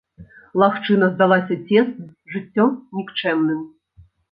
Лагчына здалася цеснай, жыццё нікчэмным.